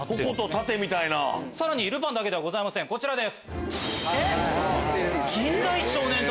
ルパンだけではございませんこちらです。